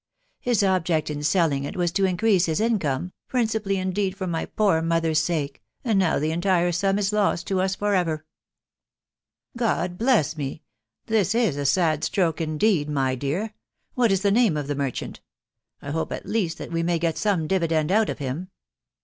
.•. His object in selling it was to increase his income, principally indeed for my poor mother's sake, and now the entire sum is lost to us for ever !"" God bless me!... This is a sad stroke indeed, my dear ! What is the name of this merchant ?••. I hope, at least, that we may get some dividend out of him."